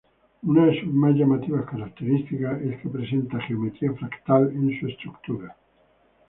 Una de sus más llamativas características es que presenta geometría fractal en su estructura.